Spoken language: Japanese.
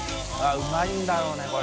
△うまいんだろうねこれ。